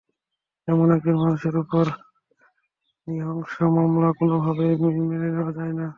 এমন একজন মানুষের ওপর নৃশংস হামলা কোনোভাবেই মেনে নেওয়া যায় না।